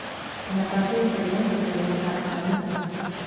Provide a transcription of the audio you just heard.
En la parte inferior se ve una carta marina.